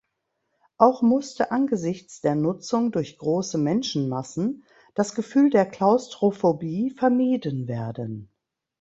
Auch musste angesichts der Nutzung durch große Menschenmassen das Gefühl der Klaustrophobie vermieden werden.